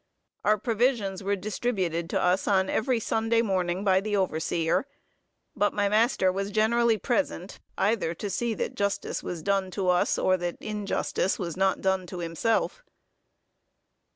Our provisions were distributed to us on every Sunday morning by the overseer; but my master was generally present, either to see that justice was done to us, or that injustice was not done to himself.